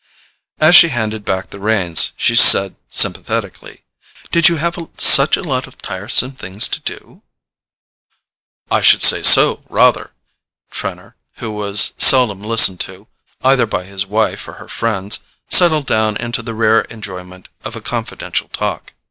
As she handed back the reins, she said sympathetically: "Did you have such a lot of tiresome things to do?" "I should say so—rather!" Trenor, who was seldom listened to, either by his wife or her friends, settled down into the rare enjoyment of a confidential talk.